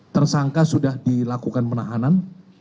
tersangka sudah dilakukan penahanan